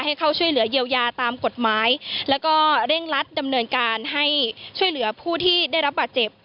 เข้าช่วยเหลือเยียวยาตามกฎหมายแล้วก็เร่งรัดดำเนินการให้ช่วยเหลือผู้ที่ได้รับบาดเจ็บ